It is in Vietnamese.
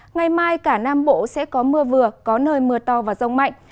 ngày mai cả nam bộ sẽ có mưa vừa có nơi mưa to và rông mạnh